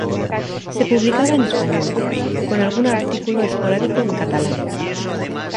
Se publicaba en español, con algún artículo esporádico en catalán.